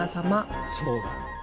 そうだ。